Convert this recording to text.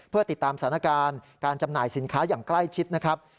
เพื่อติดตามสถานการณ์การจำหน่ายสินค้าอย่างใกล้ชิดนะครับ